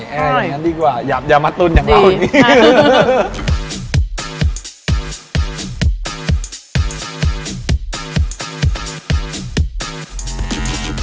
อย่างนั้นดีกว่าอย่ามาตุ้นอย่างเราอย่างนี้